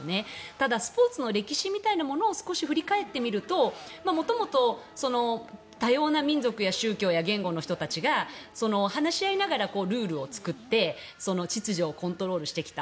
ただ、スポーツの歴史みたいなものを少し振り返ってみると元々、多様な民族や宗教や言語の人たちが話し合いながらルールを作って秩序をコントロールしてきた。